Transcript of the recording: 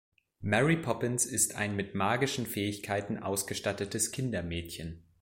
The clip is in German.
Mary Poppins ist ein mit magischen Fähigkeiten ausgestattetes Kindermädchen.